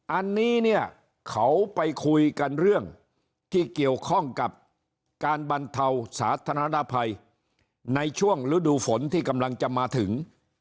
อันนี้เนี่ยเขาไปคุยกันเรื่องที่เกี่ยวข้องกับการบรรเทาสาธารณภัยในช่วงฤดูฝนที่กำลังจะมาถึง